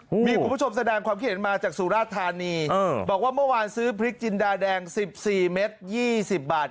มีคุณผู้ชมแสดงความคิดเห็นมาจากสุรธานีบอกว่าเมื่อวานซื้อพริกจินดาแดง๑๔เม็ด๒๐บาท